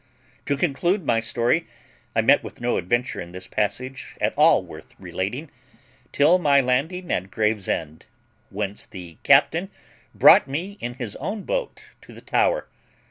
"To conclude my story; I met with no adventure in this passage at all worth relating, till my landing at Gravesend, whence the captain brought me in his own boat to the Tower.